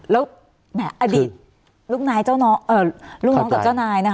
แล้วแหมอดีตลูกน้องกับเจ้านายนะคะ